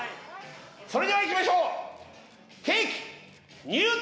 それではいきましょう！